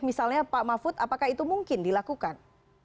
misalnya pak mahfud apakah itu mungkin dilakukan